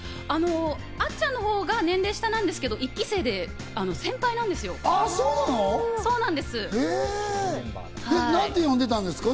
あっちゃんのほうが年齢下なんですけど、１期生で先輩なんですよ。なんて呼んでたんですか？